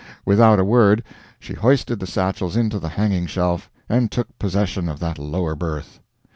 Without a word, she hoisted the satchels into the hanging shelf, and took possession of that lower berth.